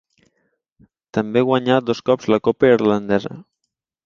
També guanyà dos cops la copa irlandesa.